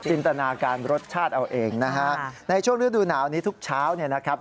ตนาการรสชาติเอาเองนะฮะในช่วงฤดูหนาวนี้ทุกเช้าเนี่ยนะครับ